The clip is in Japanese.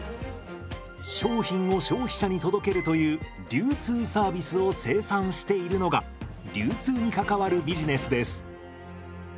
商品を消費者に届けるという流通サービスを生産しているのが流通に関わるビジネスです。